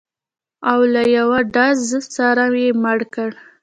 او له یوه ډزه سره یې مړ کړ.